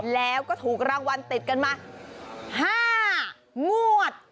แล้วก็ถูกรางวัลติดกันมา๕งวด